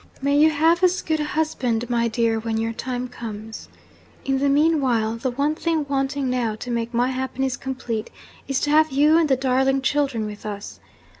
May you have as good a husband, my dear, when your time comes! In the mean while, the one thing wanting now to make my happiness complete, is to have you and the darling children with us.